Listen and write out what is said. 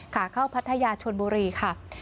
ขาเข้าพัทยาชนบุรีค่ะ